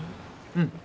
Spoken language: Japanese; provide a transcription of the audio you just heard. うん。